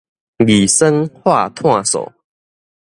二酸化炭素